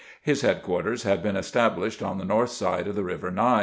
His headquarters had been established on the north side of the river Ny.